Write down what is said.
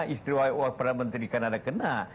istri wakil permanentri kanada kena